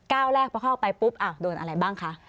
แรกพอเข้าไปปุ๊บโดนอะไรบ้างคะ